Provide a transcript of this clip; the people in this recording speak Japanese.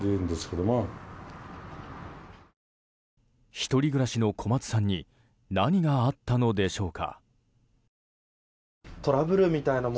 １人暮らしの小松さんに何があったのでしょうか。